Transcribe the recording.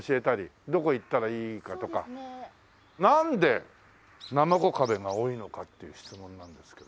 なんでなまこ壁が多いのかっていう質問なんですけど。